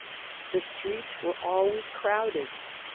The streets were always crowded.